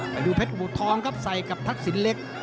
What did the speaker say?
เพชรบูทองครับใส่กับทักษิณเล็ก